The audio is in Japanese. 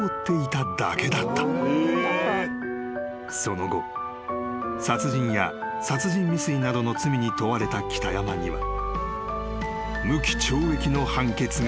［その後殺人や殺人未遂などの罪に問われた北山には］